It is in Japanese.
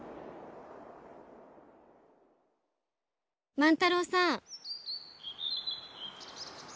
万太郎さん。